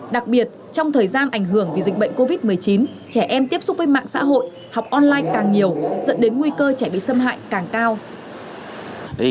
đặc biệt trong thời gian ảnh hưởng vì dịch bệnh covid một mươi chín trẻ em tiếp xúc với mạng xã hội học online càng nhiều dẫn đến nguy cơ trẻ bị xâm hại càng cao